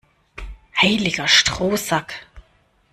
Heiliger Strohsack!